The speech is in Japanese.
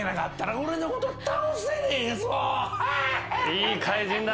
いい怪人だ。